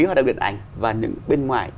hoặc là người ảnh và những bên ngoài